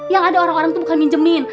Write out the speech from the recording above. yang ada orang orang tuh bukan minjemin